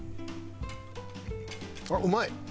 あっうまい！